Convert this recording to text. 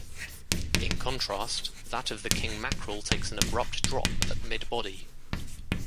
In contrast that of the king mackerel takes an abrupt drop at mid-body.